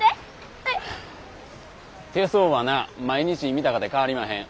手相はな毎日見たかて変わりまへん。